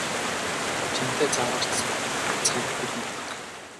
Чамтай заваарч суух цаг бидэнд алга.